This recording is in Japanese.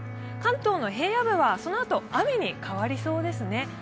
関東の平野部はそのあと雨に変わりそうですね。